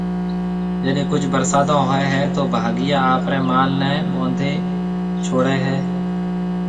جڏَي ڪجھ ڀرساتون ھوئيَ ھيََََ تو ڀاگيا آپرَي مال نيَ ٻونڌَي ڇوڙھيََََ ھيََََ